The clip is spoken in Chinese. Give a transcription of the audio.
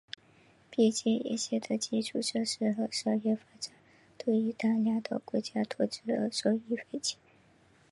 边界沿线的基础设施和商业发展都因大量的国家投资而受益匪浅。